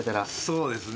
そうですね。